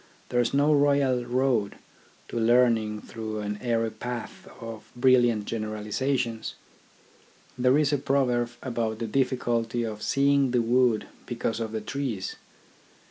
There is no royal road to learning through an airy path of brilliant generalisations. There is a proverb about the difficulty of seeing the wood because of the trees.